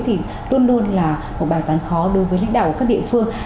thì luôn luôn là một bài toán khó đối với lãnh đạo các địa phương